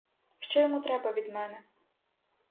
Що йому треба від мене?